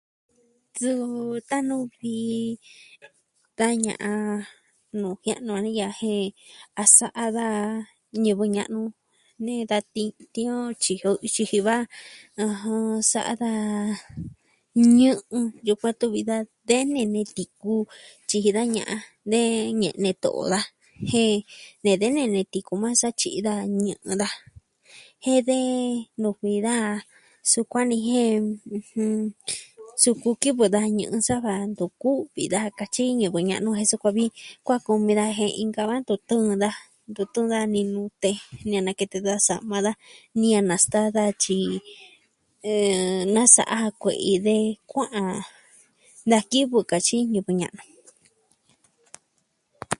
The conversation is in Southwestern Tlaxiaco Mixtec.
Suu, ta'nu vi da ña'an nu jia'nu a ni ya jen a sa'a daa ñivɨ ña'nu. Nee da tii tiin o tyiji o... ixi ji va... ɨjɨn, sa'a daa ñɨ'ɨn yukuan tuvi daa de nee tuku tyji daa ña'an. Nee ñe'ne to'o daa jen de denee ne tikuma sa tyi da ñɨ'ɨ daa. Jen de nuu kuii daja sukuan ni jen ɨjɨn... Suu nku kivɨ da ñɨ'ɨ sava ntu kuvi daja katyi ñivɨ ña'nu jen sukuan vi kua kumi daa jen inka va tetɨɨn daa. Ntu tɨɨn dani nute, ña'an nakete da sa'ma daa ni a nastaa daa tyi, eh... nasa'a ja kue'i de kua'an da kivɨ katyi ñivɨ ña'nu.